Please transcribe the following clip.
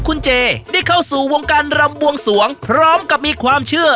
คุณเจได้เข้าสู่วงการรำบวงสวงพร้อมกับมีความเชื่อ